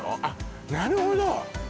あっなるほど！